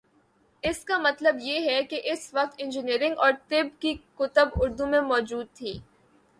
اس کا مطلب یہ ہے کہ اس وقت انجینئرنگ اور طب کی کتب اردو میں مو جود تھیں۔